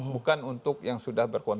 bukan untuk yang sudah berkontribu